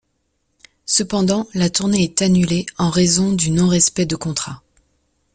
Cependant, la tournée est annulée en raison de non-respect de contrat.